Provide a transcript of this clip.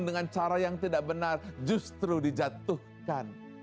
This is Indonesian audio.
dengan cara yang tidak benar justru dijatuhkan